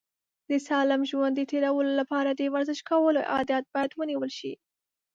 د سالم ژوند د تېرولو لپاره د ورزش کولو عادت باید ونیول شي.